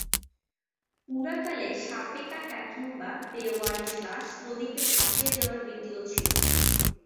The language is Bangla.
পুরাকালে সাপে কাটা কিংবা বেওয়ারিশ লাশ নদীতে ভাসিয়ে দেওয়ার রীতিও ছিল।